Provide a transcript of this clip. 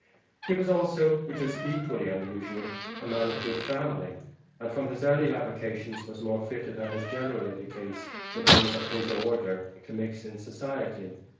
He was, also, which is equally unusual, a man of good family, and from his early avocations was more fitted than is generally the case with those of his order, to mix in society.